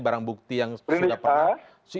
barang bukti yang sudah pernah